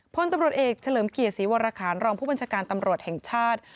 พลตำรวจเอกเฉลิมเกียรติศรีวรคารรองผู้บัญชาการตำรวจแห่งชาติ